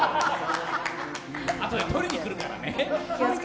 あとで撮りに来るからね。